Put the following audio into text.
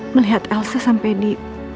melihat elsa sampai di